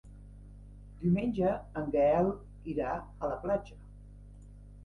Diumenge en Gaël irà a la platja.